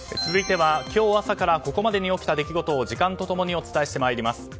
続いては今日朝からここまでに起きた出来事を時間と共にお伝えしてまいります。